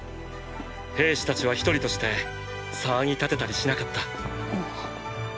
兵士たちは一人として騒ぎ立てたりしなかった。